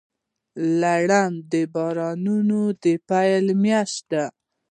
لړم د بارانونو د پیل میاشت ده.